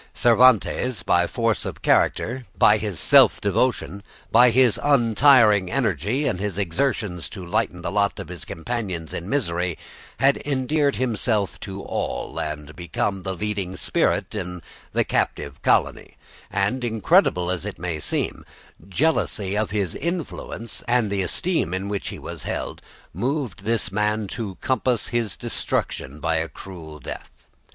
Cervantes by force of character, by his self devotion, by his untiring energy and his exertions to lighten the lot of his companions in misery, had endeared himself to all, and become the leading spirit in the captive colony, and, incredible as it may seem, jealousy of his influence and the esteem in which he was held, moved this man to compass his destruction by a cruel death.